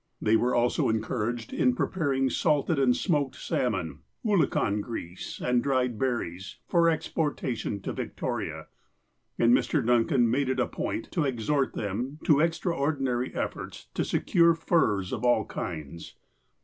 They were also encouraged in preparing salted and smoked salmon, oolakan grease, and dried berries, for ex portation to Victoria, and Mr. Duncan made it a point to exhort them to extraordinary efforts to secure furs of all kinds.